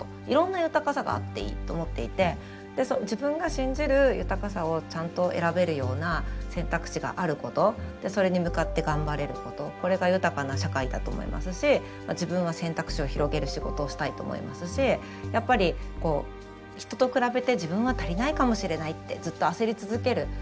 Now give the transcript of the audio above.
いろんな豊かさがあっていいと思っていてで自分が信じる豊かさをちゃんと選べるような選択肢があることそれに向かって頑張れることこれが豊かな社会だと思いますし自分は選択肢を広げる仕事をしたいと思いますしやっぱりこう人と比べて自分は足りないかもしれないってずっと焦り続ける。